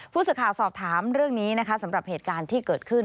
ผู้สื่อข่าวสอบถามเรื่องนี้นะคะสำหรับเหตุการณ์ที่เกิดขึ้น